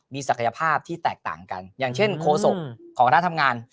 มีศักยภาพที่แตกต่างกันอย่างเช่นโคศกของคณะทำงาน